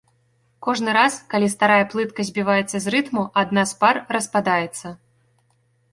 Кожны раз, калі старая плытка збіваецца з рытму, адна з пар распадаецца.